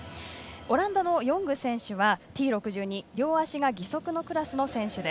オランダのヨング選手はＴ６２両足が義足のクラスの選手。